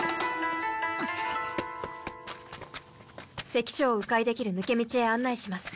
関所を迂回できる抜け道へ案内します。